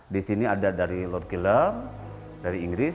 di sini ada dari lord killer dari inggris